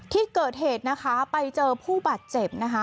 ที่เกิดเหตุนะคะไปเจอผู้บาดเจ็บนะคะ